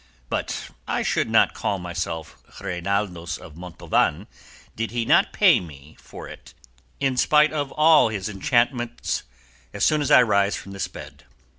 But I should not call myself Reinaldos of Montalvan did he not pay me for it in spite of all his enchantments as soon as I rise from this bed.